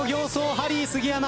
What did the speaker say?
ハリー杉山。